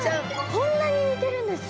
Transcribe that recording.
こんなに似てるんですか？